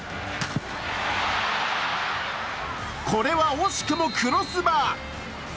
これは惜しくもクロスバー。